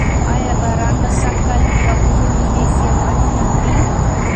ایا باران به سږ کال د باغونو مېوې زیانمنې نه کړي؟